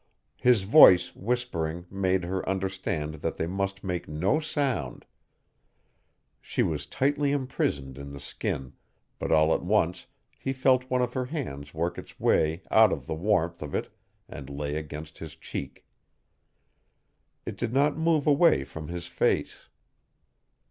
His voice, whispering, made her understand that they must make no sound. She was tightly imprisoned in the skin, but all at once he felt one of her hands work its way out of the warmth of it and lay against his cheek. It did not move away from his face.